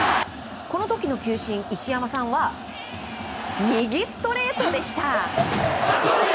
この時の球審、石山さんは右ストレートでした。